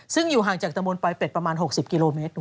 ซึ่งอยู่ห่างจากตะมนปลายเป็ดประมาณ๖๐กิโลเมตร